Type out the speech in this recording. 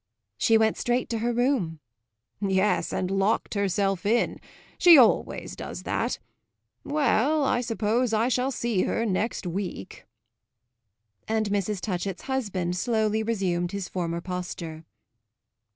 "She went straight to her room." "Yes and locked herself in. She always does that. Well, I suppose I shall see her next week." And Mrs. Touchett's husband slowly resumed his former posture.